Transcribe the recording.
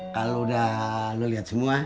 kalau udah lu lihat semua